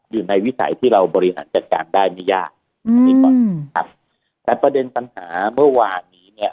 อยู่ในวิสัยที่เราบริหารจัดการได้ไม่ยากอืมครับแต่ประเด็นสัญหาเมื่อวานนี้เนี้ย